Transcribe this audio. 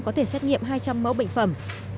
có thể xét nghiệm hai trăm linh mẫu bệnh phẩm